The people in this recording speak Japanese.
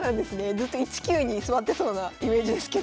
ずっと１九に座ってそうなイメージですけど。